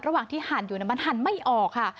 ระหว่างที่หั่นอยู่มันหั่นไม่ออกค่ะ